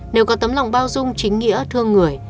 nếu có tấm lòng bao dung chính nghĩa thương người